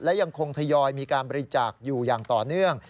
และยังคงทยอยมีการบริจาคอยู่อย่างต่อเนื่อง